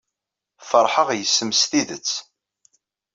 Feṛḥeɣ yes-m s tidet.